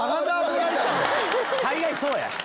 大概そうや！